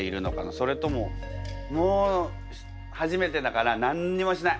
それとももう初めてだから何にもしない！